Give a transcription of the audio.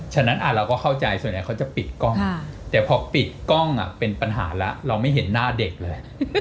ฉะนั้นเราก็เข้าใจส่วนใหญ่เขาจะปิดกล้องแต่พอปิดกล้องเป็นปัญหาแล้วเราไม่เห็นหน้าเด็กเลย